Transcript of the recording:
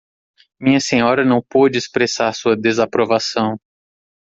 Minha senhora não pôde expressar sua desaprovação.